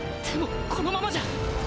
でもこのままじゃ！！